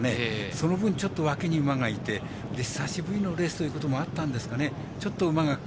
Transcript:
その分、脇に馬がいて久しぶりのレースということもあったんですかね